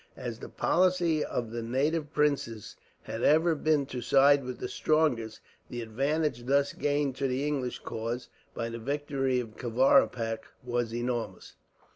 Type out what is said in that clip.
As the policy of the native princes had ever been to side with the strongest, the advantage thus gained to the English cause, by the victory of Kavaripak, was enormous.